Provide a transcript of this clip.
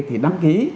thì đăng ký